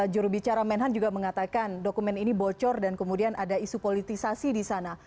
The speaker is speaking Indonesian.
jurubicara menhan juga mengatakan dokumen ini bocor dan kemudian ada isu politisasi di sana